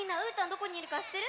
どこにいるかしってる？